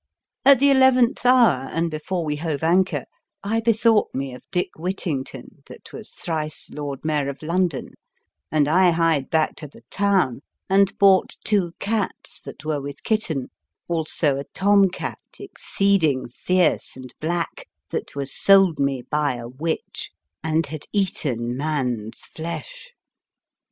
At the eleventh hour and before we hove anchor I bethought me of Dick Whittington, that was thrice Lord Mayor of London, and I hied back to the town and bought two cats that were with kitten, also a Tom cat, ex ceeding fierce and black, that was sold me by a witch and had eaten man's flesh.